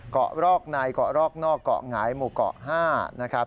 เกาะรอกในเกาะรอกนอกเกาะหงายหมู่เกาะ๕นะครับ